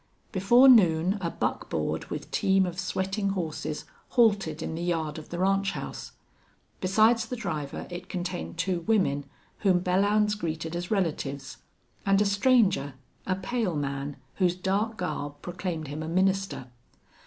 Before noon a buckboard with team of sweating horses halted in the yard of the ranch house. Besides the driver it contained two women whom Belllounds greeted as relatives, and a stranger, a pale man whose dark garb proclaimed him a minister.